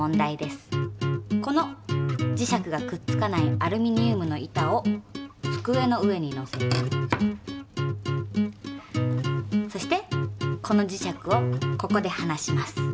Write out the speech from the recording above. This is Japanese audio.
この磁石がくっつかないアルミニウムの板をつくえの上にのせてそしてこの磁石をここではなします。